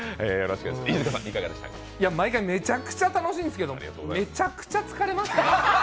毎回めちゃくちゃ楽しいんですけどめちゃくちゃ疲れますね。